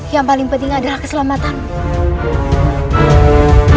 yang paling penting adalah keselamatan